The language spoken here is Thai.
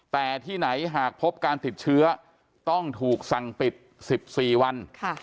แต่ที่ไหนหากพบการติดเชื้อต้องถูกสั่งปิด๑๔วัน